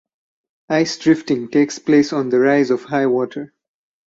Ice drifting takes place on the rise of high water.